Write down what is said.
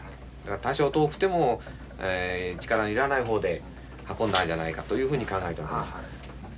多少遠くても力のいらない方で運んだんじゃないかというふうに考えたわけです。